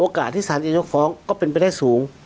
โอกาสที่สาธารณียกฟ้องก็เป็นเป็นแรกสูง